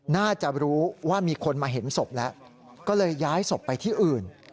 น่าจะรู้ว่ามีคนมาเห็นศพแล้วก็เลยย้ายศพไปที่อื่น